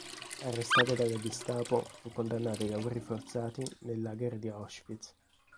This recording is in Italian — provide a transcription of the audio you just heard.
Arrestata dalla Gestapo, fu condannata ai lavori forzati nel lager di Auschwitz.